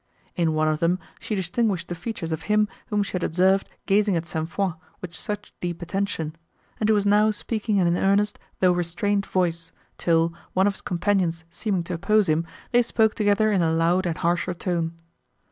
In one of them she distinguished the features of him, whom she had observed, gazing at St. Foix, with such deep attention; and who was now speaking in an earnest, though restrained voice, till, one of his companions seeming to oppose him, they spoke together in a loud and harsher tone.